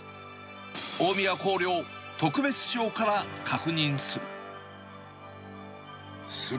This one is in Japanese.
大宮光陵、特別賞から確認する。